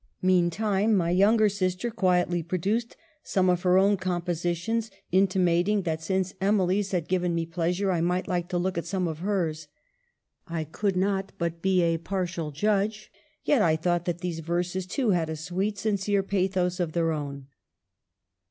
" Meantime, my younger sister quietly pro duced some of her own compositions, intimating that since Emily's had given me pleasure, I might like to look at some of hers. I could not but be a partial judge, yet I thought that these verses, too, had a sweet sincere pathos of their own."